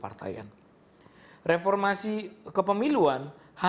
pertama reformasi kepemiluan